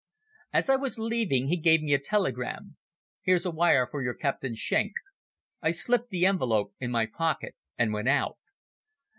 As I was leaving he gave me a telegram. "Here's a wire for your Captain Schenk." I slipped the envelope in my pocket and went out.